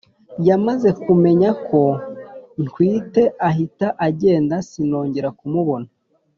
Yamaze kumenya ko ntwite ahita agenda sinongera kumubona